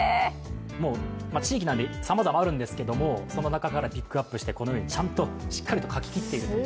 地域なんでさまざまあるんですけどもその中からピックアップしてこのようにちゃんとしっかりと書き切っていると。